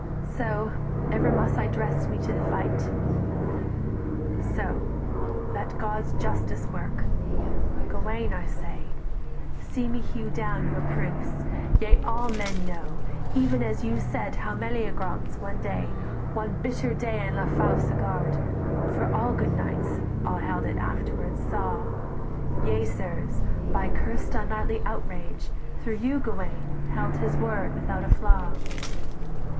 So, ever must I dress me to the fight, "So: let God's justice work! Gauwaine, I say, See me hew down your proofs: yea all men know Even as you said how Mellyagraunce one day, "One bitter day in la Fausse Garde, for so All good knights held it after, saw: Yea, sirs, by cursed unknightly outrage; though "You, Gauwaine, held his word without a flaw.